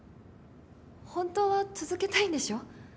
本当は続けたいんでしょ？